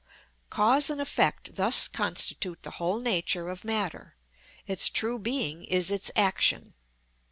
Cause and effect thus constitute the whole nature of matter; its true being is its action.